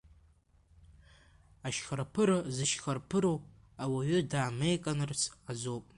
Ашьхарԥыра зышьхарԥыроу ауаҩы дамеиканырц азоуп.